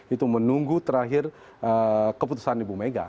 itu menunggu terakhir keputusan ibu mega